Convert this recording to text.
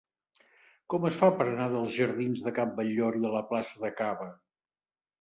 Com es fa per anar dels jardins de Can Batllori a la plaça de Caba?